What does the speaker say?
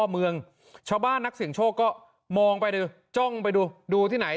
เมืองชาวบ้านนักเสี่ยงโชคก็มองไปดูจ้องไปดูดูที่ไหน